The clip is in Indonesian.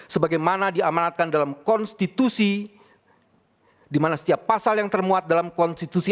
sebagaimana diamanatkan dalam konstitusi di mana setiap pasal yang termuat dalam konstitusi